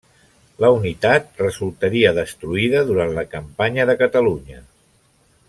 La unitat resultaria destruïda durant la campanya de Catalunya.